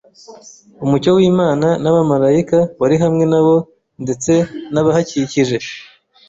Umucyo w’Imana n’abamarayika wari hamwe nabo ndetse n’ahabakikije.